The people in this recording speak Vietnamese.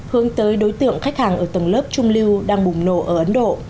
hướng tới đối tượng khách hàng ở tầng lớp trung lưu đang bùng nổ ở ấn độ